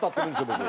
僕。